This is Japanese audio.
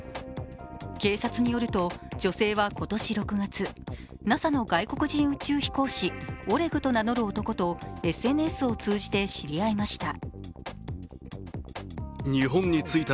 警察によると、女性は今年６月ＮＡＳＡの外国人宇宙飛行士オレグと名乗る男とＳＮＳを通じて知り合いました。